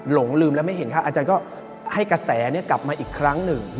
หลงลืมแล้วไม่เห็นค่าอาจารย์ก็ให้กระแสกลับมาอีกครั้งหนึ่ง